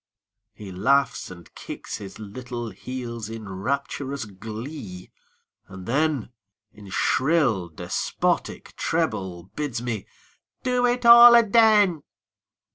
He laughs and kicks his little heels in rapturous glee, and then In shrill, despotic treble bids me "do it all aden!"